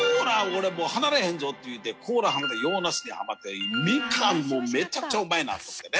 俺もうハマらへんぞって言うてコーラハマって洋梨でハマってみかんもめちゃくちゃうまいんですよね。